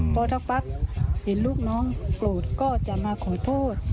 พอสักพักเห็นลูกน้องโกรธก็จะมาขอโทษ